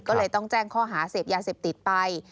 ก็เลยต้องแจ้งข้อหาเสพยาเสพติดไป